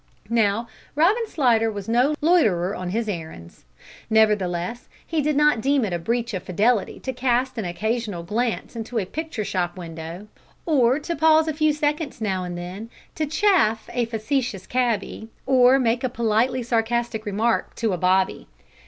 Now Robin Slidder was no loiterer on his errands, nevertheless he did not deem it a breach of fidelity to cast an occasional glance into a picture shop window, or to pause a few seconds now and then to chaff a facetious cabby, or make a politely sarcastic remark to a bobby.